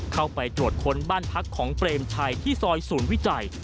เข้าไปตรวจค้นบ้านพักของเปรมชัยที่ซอยศูนย์วิจัย